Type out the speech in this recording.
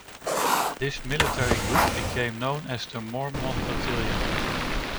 This military group became known as the Mormon Battalion.